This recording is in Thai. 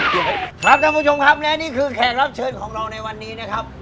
ครับท่านผู้ชมครับและนี่คือแขกรับเชิญของเราในวันนี้นะครับ